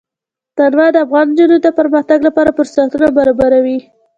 تنوع د افغان نجونو د پرمختګ لپاره فرصتونه برابروي.